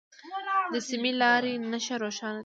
د سمې لارې نښه روښانه ده.